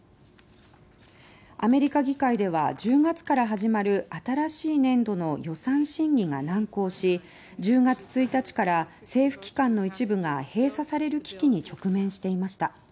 アメリカ議会では１０月から始まる新しい年度の予算審議が難航し１０月１日から政府機関の一部が閉鎖される危機に直面していました。